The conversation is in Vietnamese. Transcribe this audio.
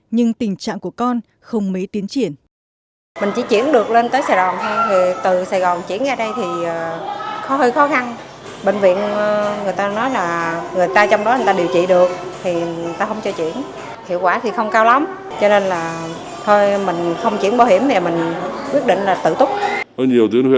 nhưng tình trạng của con không mấy tiến triển